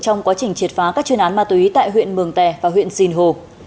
trong quá trình triệt phá các chuyên án ma túy tại huyện mường tè và huyện sinh hồ